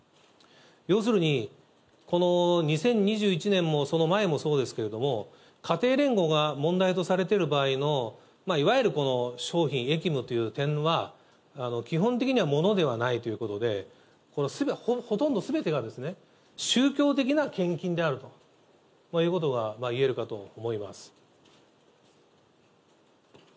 要するに、この２０２１年もその前もそうですけれども、家庭連合が問題とされてる場合のいわゆる商品、役務という点は、基本的には物ではないということで、これ、ほとんどすべてが宗教的な献金であるということが言えるかと思います。